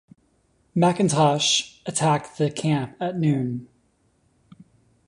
McIntosh attacked the camp at noon.